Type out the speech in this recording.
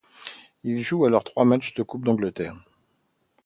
Il joue alors trois matchs de coupe d'Angleterre.